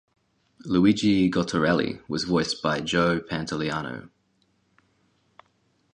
Luigi Goterelli was voiced by Joe Pantoliano.